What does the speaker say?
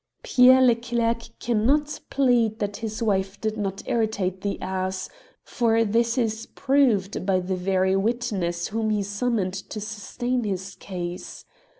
Pierre Leclerc cannot plead that his wife did not irritate the ass, for this is proved by the very witnesses whom he summoned to sustain his case.